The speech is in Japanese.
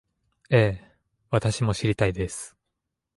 ええ、私も知りたいです